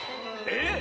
えっ！？